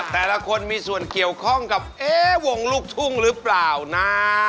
แต่ละคนมีส่วนเกี่ยวข้องกับเอ๊ะวงลูกทุ่งหรือเปล่านะ